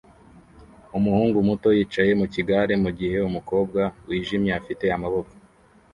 Umuhungu muto yicaye mukigare mugihe umukobwa wijimye afite amaboko